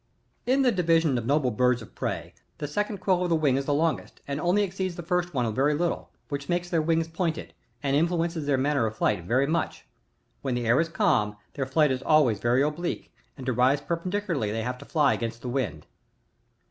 32. In the Division of Noble Birds of Prey, the second qaiW of the wing is the longest, and only exceeds the first one a very little, which makes their wings pointed, and influences their manner of flight very much ; when the air is calm, their flight is always very oblique, and to rise perpendicularly they have to fly against the wind.